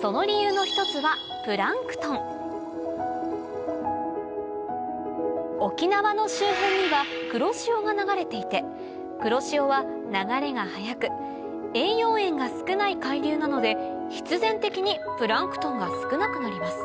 その理由の一つは沖縄の周辺には黒潮が流れていて黒潮は流れが速く栄養塩が少ない海流なので必然的にプランクトンが少なくなります